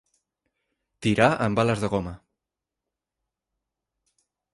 Tirar amb bales de goma.